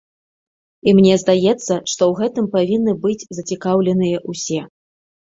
І мне здаецца, што ў гэтым павінны быць зацікаўленыя ўсе.